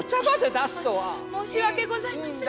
申し訳ございません。